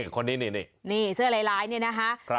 คนนี้นี่เสื้อร้ายเนี่ยนะคะ